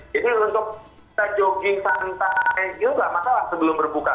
jadi untuk kita jogging santai itu gak masalah sebelum berbuka